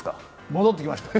戻ってきました。